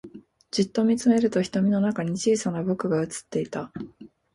じっと見つめると瞳の中に小さな僕が映っていた